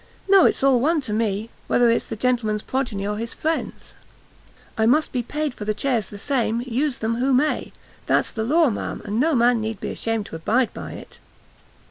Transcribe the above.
No; it's all one to me whether it's the gentleman's progeny or his friends, I must be paid for the chairs the same, use them who may. That's the law, ma'am, and no man need be ashamed to abide by it."